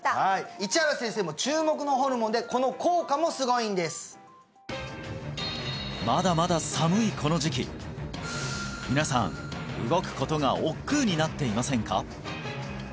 はい市原先生も注目のホルモンでこの効果もすごいんですまだまだ寒いこの時期皆さん動くことが億劫になっていませんか？